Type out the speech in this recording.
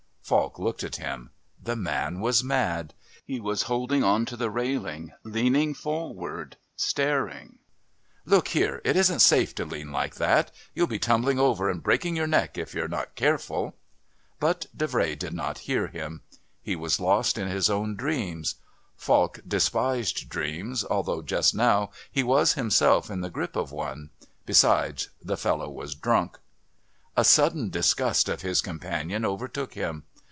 Falk looked at him. The man was mad. He was holding on to the railing, leaning forward, staring.... "Look here, it isn't safe to lean like that. You'll be tumbling over and breaking your neck if you're not careful." But Davray did not hear him. He was lost in his own dreams. Falk despised dreams although just now he was himself in the grip of one. Besides the fellow was drunk. A sudden disgust of his companion overtook him.